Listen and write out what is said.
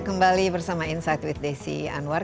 kembali bersama insight with desi anwar